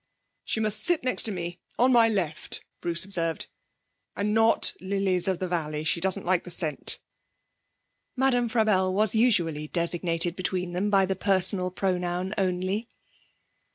'She must sit next to me, on my left,' Bruce observed. 'And not lilies of the valley she doesn't like the scent.' Madame Frabelle was usually designated between them by the personal pronoun only.